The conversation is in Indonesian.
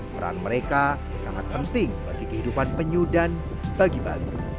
peran mereka sangat penting bagi kehidupan penyu dan bagi bali